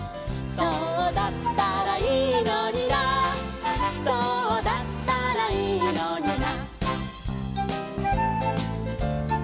「そうだったらいいのになそうだったらいいのにな」